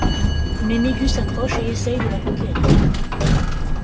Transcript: Mais Megu s'accroche et essaye de la conquérir.